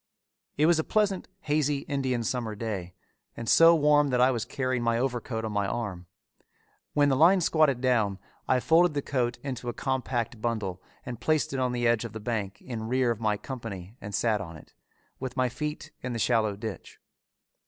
It was a pleasant, hazy, Indian summer day, and so warm that I was carrying my overcoat on my arm. When the line squatted down I folded the coat into a compact bundle and placed it on the edge of the bank in rear of my company and sat on it, with my feet in the shallow ditch.